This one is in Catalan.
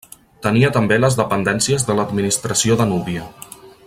Tenia també les dependències de l'administració de Núbia.